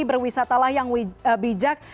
berwisata lah yang bijak